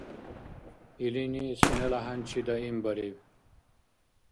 Илини сунела хӀянчи даимбариб.